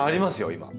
今。